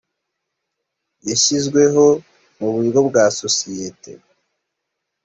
yashyizweho mu buryo bwa sosiyete